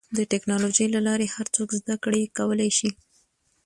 د ټکنالوجۍ له لارې هر څوک زدهکړه کولی شي.